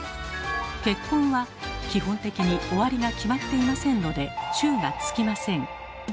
「結婚」は基本的に終わりが決まっていませんので「中」がつきません。